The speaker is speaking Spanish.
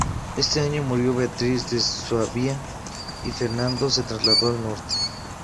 Ese año murió Beatriz de Suabia y Fernando se trasladó al norte.